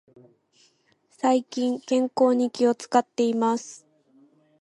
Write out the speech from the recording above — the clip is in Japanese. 最近、健康に気を使っています。